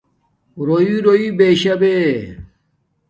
رَݸرَݸ بشآی بے